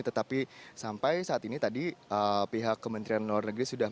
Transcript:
tetapi sampai saat ini tadi pihak kementerian luar negeri sudah